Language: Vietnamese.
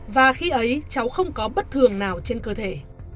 và khi ấy cháu không có bất thường nào trên cơ thể